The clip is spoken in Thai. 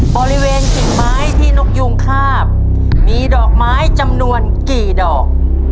กิ่งไม้ที่นกยูงคาบมีดอกไม้จำนวนกี่ดอก